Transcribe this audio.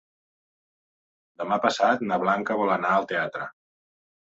Demà passat na Blanca vol anar al teatre.